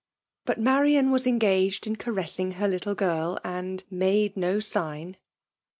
But Marian was engaged in caressing her little girl, — and " made no sign."